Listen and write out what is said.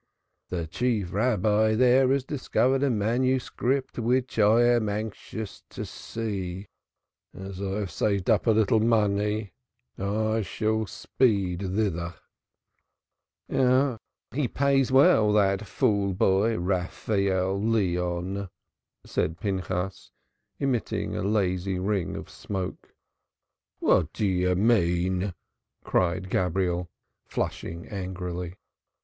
The Chief Rabbi there has discovered a manuscript which I am anxious to see, and as I have saved up a little money I shall speed thither." "Ah, he pays well, that boy fool, Raphael Leon," said Pinchas, emitting a lazy ring of smoke. "What do you mean?" cried Gabriel, flushing angrily.